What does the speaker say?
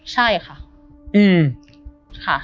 ใช่ค่ะ